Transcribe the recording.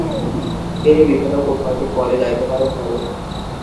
তিনি বিভিন্ন কূটনৈতিক পদে দায়িত্ব পালন করেন।